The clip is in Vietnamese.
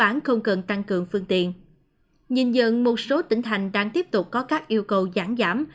nhìn nhận một số tỉnh thành đang tiếp tục có các yêu cầu giảng giảm